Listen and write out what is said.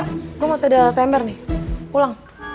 ayo gue masih ada semer nih pulang